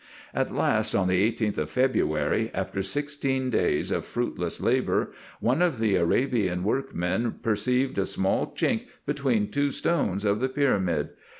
At last, on the 18th of February, after sixteen days of fruitless labour, one of the Arabian workmen perceived a small clunk between two stones of the pyramid.